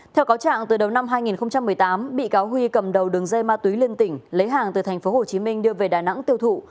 theo cáo trạng từ đầu năm hai nghìn một mươi tám bị cáo huy cầm đầu đường dây ma túy lên tỉnh lấy hàng từ tp hồ chí minh đưa về đà nẵng tiêu thụ